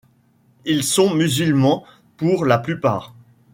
Ils sont musulmans pour la plupart.